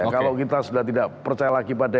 kalau kita sudah tidak percaya lagi pada